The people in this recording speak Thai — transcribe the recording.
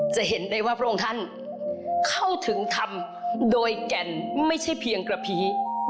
จะเห็นได้ว่าพระองค์ท่านเข้าถึงธรรมโดยแก่นไม่ใช่เพียงกระพี